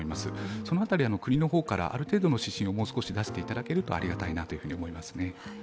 その辺り国からある程度の指針をもう少し出してもらえるとありがたいなと思いますね。